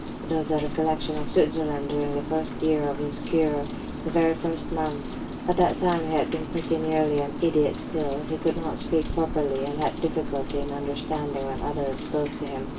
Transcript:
It was a recollection of Switzerland, during the first year of his cure, the very first months. At that time he had been pretty nearly an idiot still; he could not speak properly, and had difficulty in understanding when others spoke to him.